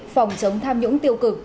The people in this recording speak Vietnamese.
phòng chống tham nhũng tiêu cực